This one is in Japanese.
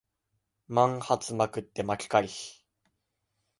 万発捲って負け回避